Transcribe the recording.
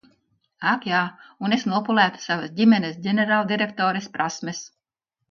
Ak jā – un es nopulētu savas ģimenes ģenerāldirektores prasmes.